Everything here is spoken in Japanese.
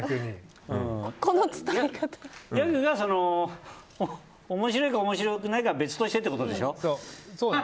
ギャグが面白いか面白くないかは別としてってことでしょ。